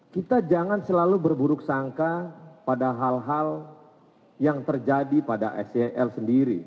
kita jangan selalu berburuk sangka pada hal hal yang terjadi pada sel sendiri